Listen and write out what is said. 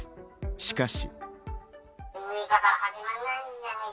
しかし。